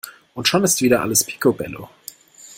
Und schon ist wieder alles picobello!